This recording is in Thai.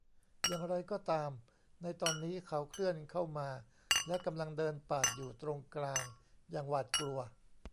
อย่างไรก็ตามในตอนนี้เขาเคลื่อนเข้ามาและกำลังเดินปาดอยู่ตรงกลางอย่างหวาดกลัว